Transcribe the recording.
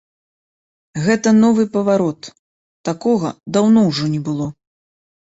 Гэта новы паварот, такога даўно ўжо не было.